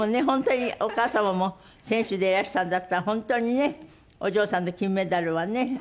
本当にお母様も選手でいらしたんだったら本当にねお嬢さんの金メダルはね。